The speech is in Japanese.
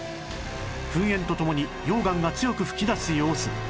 噴煙とともに溶岩が強く噴き出す様子